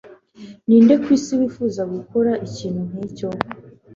Ninde ku isi wifuza gukora ikintu nkicyo?